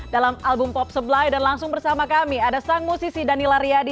dalam album pop supply dan langsung bersama kami ada sang musisi danila riadi